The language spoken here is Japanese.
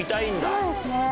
そうですね。